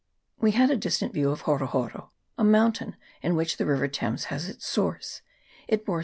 We had a distant view of Horo Horo, a moun tain in which the river Thames has its source ; it bore S.